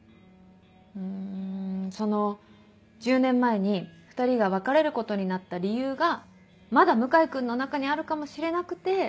うんその１０年前に２人が別れることになった理由がまだ向井君の中にあるかもしれなくて。